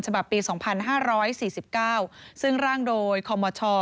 ฉบับปี๒๕๔๙ซึ่งร่างโดยคอมบัชชอร์